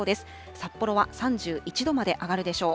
札幌は３１度まで上がるでしょう。